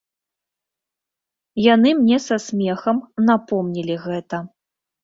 Яны мне са смехам напомнілі гэта.